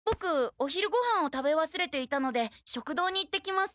お昼ごはんを食べわすれていたので食堂に行ってきます。